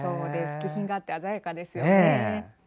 気品があって鮮やかですね。